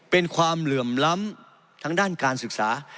เป็นความเหลื่อมล้ำทางด้านการศึกษา